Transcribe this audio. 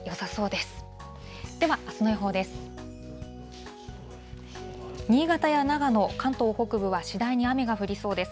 では、あすの予報です。